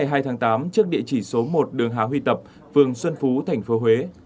ngày hai tháng tám trước địa chỉ số một đường hà huy tập phường xuân phú tp huế